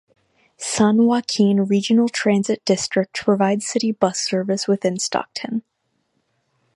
San Joaquin Regional Transit District provides city bus service within Stockton.